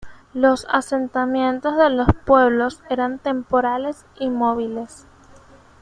Los asentamiento de los pueblos eran temporales y móviles.